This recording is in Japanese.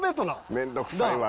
面倒くさいわ。